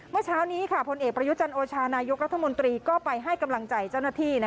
เมื่อเช้านี้ผลเอกประยุจันโอชานายกรัฐมนตรีก็ไปให้กำลังใจเจ้าหน้าที่